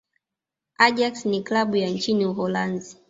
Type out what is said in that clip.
ajax ni klabu ya nchini uholanzi